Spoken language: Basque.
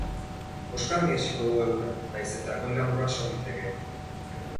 Oskarbi hasiko dugu eguna, nahiz eta goi-lanbroa sor litekeen.